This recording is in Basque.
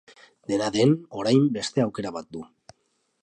Dena den, orain beste aukera bat du.